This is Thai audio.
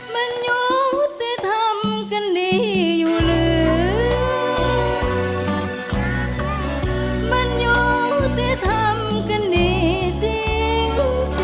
มันอยู่ที่ทำกันดีอยู่หรือมันอยู่ที่ทำกันดีจริง